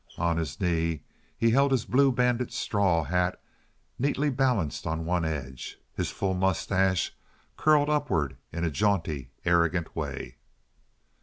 On his knee he held his blue—banded straw hat neatly balanced on one edge. His full mustache curled upward in a jaunty, arrogant way.